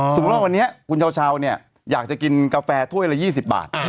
สมมุติว่าวันนี้คุณเช้าเนี่ยอยากจะกินกาแฟถ้วยละ๒๐บาท